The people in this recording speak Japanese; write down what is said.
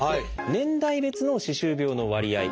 年代別の歯周病の割合。